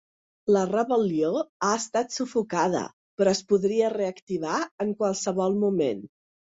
La rebel·lió ha estat sufocada però es podria reactivar en qualsevol moment.